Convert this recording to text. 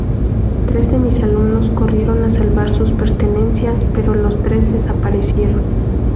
Tres de mis alumnos corrieron a salvar sus pertenencias, pero los tres desaparecieron.